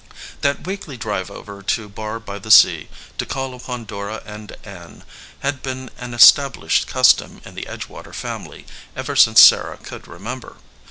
That weekly drive over to Barr by the Sea to call upon Dora and Ann had been an established custom in the Edgewater family ever since Sarah could remember.